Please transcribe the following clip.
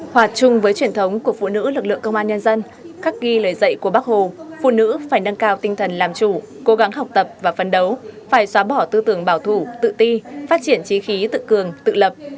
hoạt chung với truyền thống của phụ nữ lực lượng công an nhân dân khắc ghi lời dạy của bác hồ phụ nữ phải nâng cao tinh thần làm chủ cố gắng học tập và phấn đấu phải xóa bỏ tư tưởng bảo thủ tự ti phát triển trí khí tự cường tự lập